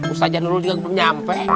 ustadz janul juga belum nyampe